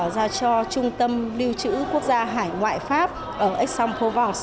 ra cho trung tâm lưu trữ quốc gia hải ngoại pháp ở aix en provence